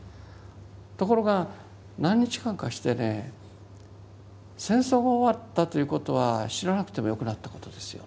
ところが何日間かしてね戦争が終わったということは死ななくてもよくなったことですよね。